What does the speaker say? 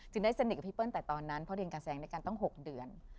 ได้สนิทกับพี่เปิ้ลแต่ตอนนั้นเพราะเรียนการแสดงด้วยกันตั้ง๖เดือน